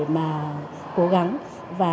mà cố gắng và